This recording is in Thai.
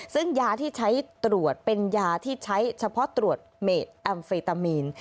ซึ่งยาที่ใช้ตรวจเป็นยาที่ใช้เฉพาะตรวจเมดแอมเฟตามีน